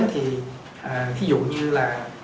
thì ví dụ như là